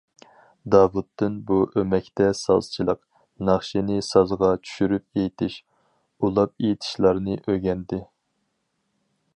داۋۇتتىن بۇ ئۆمەكتە سازچىلىق، ناخشىنى سازغا چۈشۈرۈپ ئېيتىش، ئۇلاپ ئېيتىشلارنى ئۆگەندى.